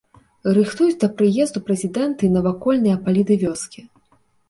Рыхтуюць да прыезду прэзідэнта і навакольныя палі ды вёскі.